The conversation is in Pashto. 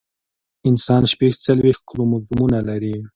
انسان شپږ څلوېښت کروموزومونه لري